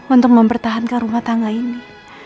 untuk mempertahankan rumah tangga ini